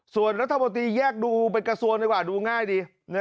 ส่วนรัฐมนตรีแยกดูเป็นกระทรวงดีกว่าดูง่ายดี